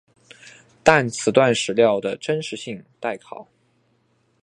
但此段史料的真实性待考。